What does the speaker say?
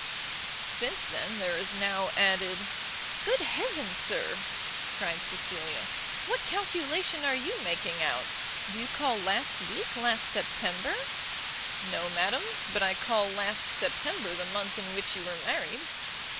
Since then there is now added " "Good Heaven, Sir," cried Cecilia, "what calculation are you making out? do you call last week last September?" "No, madam; but I call last September the month in which you were married."